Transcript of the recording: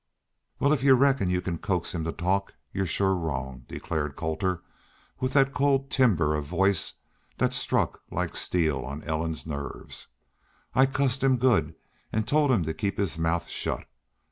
"Wal, if y'u reckon y'u can coax him to talk you're shore wrong," declared Colter, with that cold timbre of voice that struck like steel on Ellen's nerves. "I cussed him good an' told him he'd keep his mouth shut.